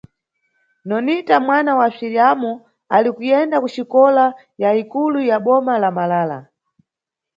Nonita mwana wa aSviriyamo ali kuyenda kuxikola ya ikulu ya boma la Malala.